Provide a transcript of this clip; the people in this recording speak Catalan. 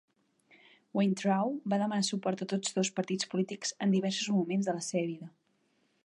Weintraub va donar suport a tots dos partits polítics en diversos moments de la seva vida.